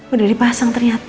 udah dipasang ternyata